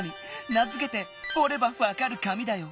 名づけて「おればわかる紙」だよ。